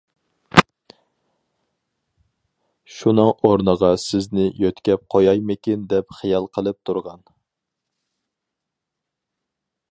شۇنىڭ ئورنىغا سىزنى يۆتكەپ قويايمىكىن دەپ خىيال قىلىپ تۇرغان.